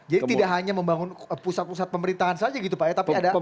jadi tidak hanya membangun pusat pusat pemerintahan saja gitu pak ya tapi ada next slide nya gitu ya